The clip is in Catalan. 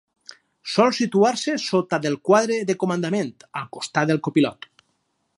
Sol situar-se sota del quadre de comandament, al costat del copilot.